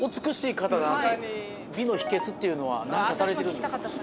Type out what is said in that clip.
美の秘訣っていうのは何かされてるんですか？